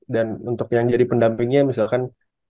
dan untuk yang jadi pendampingnya misalkan